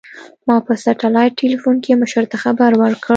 ما په سټلايټ ټېلفون کښې مشر ته خبر ورکړ.